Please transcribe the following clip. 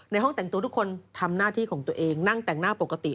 ห้องแต่งตัวทุกคนทำหน้าที่ของตัวเองนั่งแต่งหน้าปกติ